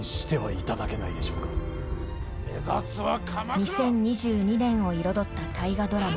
２０２２年を彩った大河ドラマ